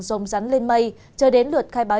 dồn rắn lên mây chờ đến lượt khai báo